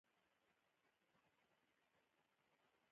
پالمر پوځونه له جیهلم څخه تېر شوي.